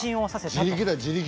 自力だ自力。